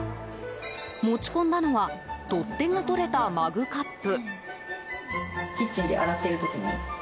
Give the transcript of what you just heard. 持ち込んだのは取っ手がとれたマグカップ。